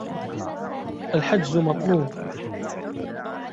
الحجز مطلوب.